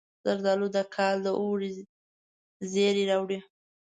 زردالو د کال د اوړي زیری راوړي.